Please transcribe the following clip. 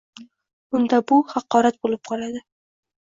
Unda bu haqorat bo‘lib qoladi.